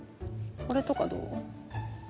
これとかどう？